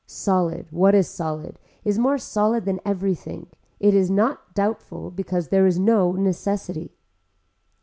Solid, what is solid, is more solid than everything, it is not doubtful because there is no necessity.